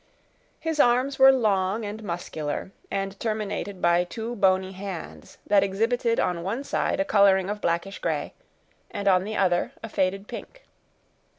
His arms were long and muscular, and terminated by two bony hands, that exhibited on one side a coloring of blackish gray, and on the other, a faded pink.